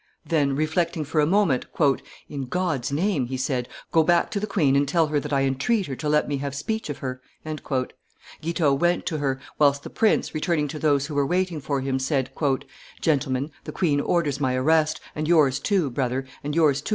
Then, reflecting for a moment, "In God's name," he said, "go back to the queen and tell her that I entreat her to let me have speech of her!" Guitaut went to her, whilst the prince, returning to those who were waiting for him, said, "Gentlemen, the queen orders my arrest, and yours too, brother, and yours too, M.